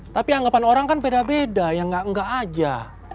tapi anggapan orang kan beda beda ya enggak aja